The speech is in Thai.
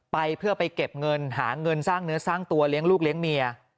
ไปเพื่อไปเก็บเงินหาเงินสร้างเนื้อสร้างตัวเลี้ยงลูกเลี้ยงเมีย